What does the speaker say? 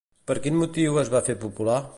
Per quin motiu es va fer popular?